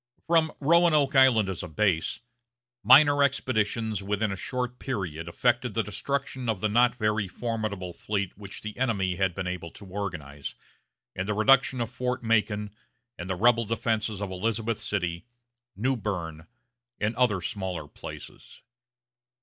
From Roanoke Island as a base, minor expeditions within a short period effected the destruction of the not very formidable fleet which the enemy had been able to organize, and the reduction of Fort Macon and the rebel defenses of Elizabeth City, New Berne, and other smaller places.